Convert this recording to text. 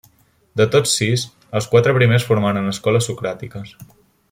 De tots sis, els quatre primers formaren escoles socràtiques.